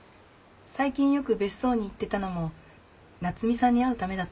最近よく別荘に行ってたのも夏海さんに会うためだったの？